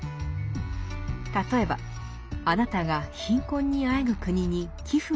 例えばあなたが貧困にあえぐ国に寄付をしたとします。